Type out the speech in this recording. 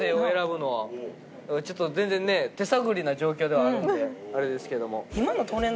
ちょっと全然ね手探りな状況ではあるんであれですけれども。